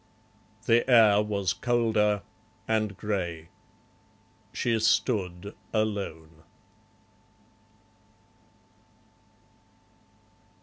The air was colder, and grey. She stood alone.